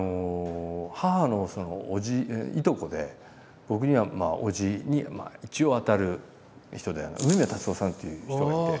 母のおじいとこで僕にはおじに一応あたる人で梅宮辰夫さんっていう人がいて。